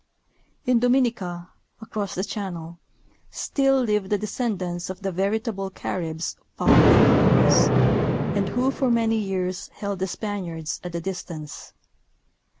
In Dominica, across the channel, still live the descendants of the veritable Caribs found by Columbus, and who for many years held the Spaniards at a distance.